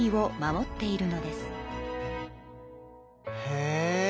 へえ。